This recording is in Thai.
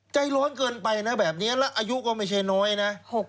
ใจร้อนเกินไปนะแบบนี้แล้วอายุก็ไม่ใช่น้อยนะ